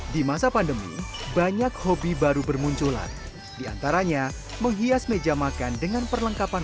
di masa pandemi banyak hobi baru bermunculan diantaranya menghias meja makan dengan perlengkapan